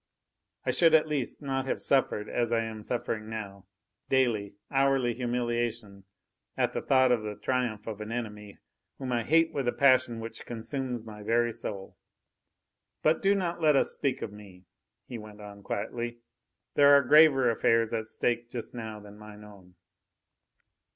I should at least not have suffered, as I am suffering now, daily, hourly humiliation at thought of the triumph of an enemy, whom I hate with a passion which consumes my very soul. But do not let us speak of me," he went on quietly. "There are graver affairs at stake just now than mine own."